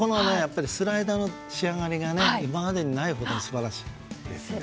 スライダーの仕上がりが今までにないほど素晴らしい。